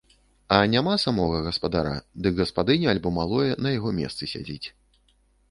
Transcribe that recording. А няма самога гаспадара, дык гаспадыня альбо малое на яго месцы сядзіць.